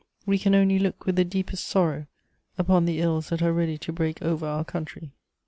We can only look with the deepest sorrow upon the ills that are ready to break over our country."